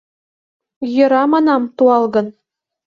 — Йӧра, манам, туалгын...